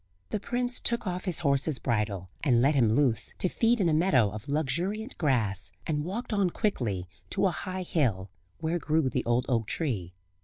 The prince took off his horse's bridle, and let him loose to feed in a meadow of luxuriant grass, and walked on quickly to a high hill, where grew the old oak tree.